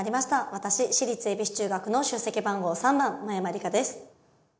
私私立恵比寿中学の出席番号３番真山りかです。